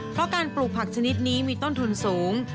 เพราะการปลูกผักชนิดนี้มีต้นทุนสูง